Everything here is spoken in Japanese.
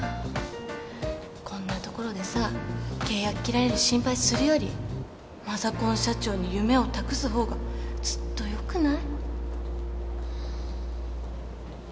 こんなところでさ契約切られる心配するよりマザコン社長に夢を託すほうがずっと良くない？